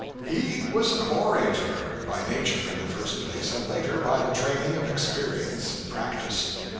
He was an orator by nature in the first place, and later by the training of experience and practice.